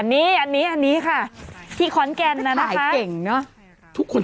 นี่ค่ะที่ขอนแก่น